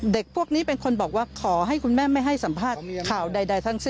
พวกนี้เป็นคนบอกว่าขอให้คุณแม่ไม่ให้สัมภาษณ์ข่าวใดทั้งสิ้น